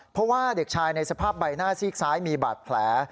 เพราะว่าเด็กชายในสภาพใบหน้าซีกซ้ายมีบาดแผล